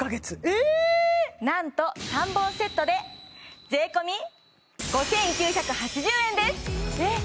えっなんと３本セットで税込５９８０円ですえっ